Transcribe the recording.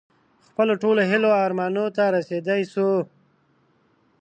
خپلو ټولو هیلو او ارمانونو ته رسېدی شو.